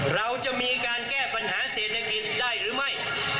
เราจะมีการแก้ปัญหาเศรษฐกิจได้หรือไม่